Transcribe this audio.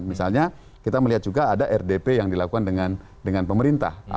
misalnya kita melihat juga ada rdp yang dilakukan dengan pemerintah